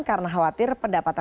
karena khawatir pendapatan